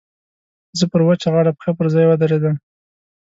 زه پر وچه غاړه پښه پر ځای ودرېدم.